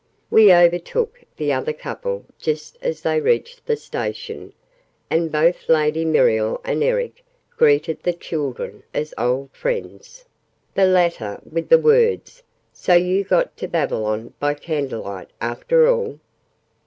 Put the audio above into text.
We overtook the other couple just as they reached the Station, and both Lady Muriel and Eric greeted the children as old friends the latter with the words "So you got to Babylon by candlelight, after all?"